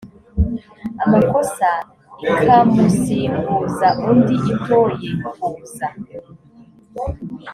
amakosa ikamusimbuza undi itoye kuza